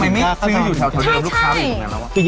ทำไมมันซื้ออยู่ที่ลูกค้าอยู่หน่อย